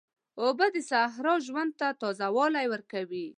اوبه د صحرا ژوند ته تازه والی ورکوي.